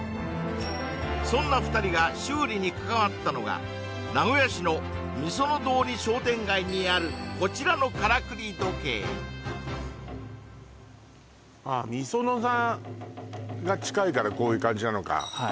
そんな２人が修理に関わったのが名古屋市の御園通商店街にあるこちらのからくり時計あっ御園が近いからこういう感じなのか